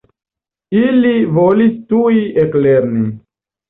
Ili volis tuj eklerni.